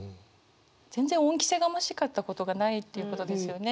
全然恩着せがましかったことがないっていうことですよね。